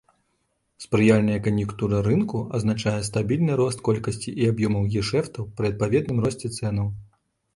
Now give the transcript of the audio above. Спрыяльная кан'юнктура рынку азначае стабільны рост колькасці і аб'ёмаў гешэфтаў пры адпаведным росце цэнаў.